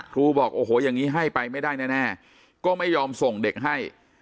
ครูบอกโอ้โหอย่างนี้ให้ไปไม่ได้แน่ก็ไม่ยอมส่งเด็กให้